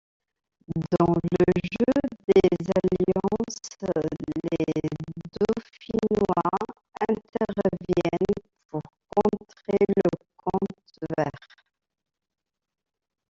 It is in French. Dans le jeu des alliances, les dauphinois interviennent pour contrer le comte vert.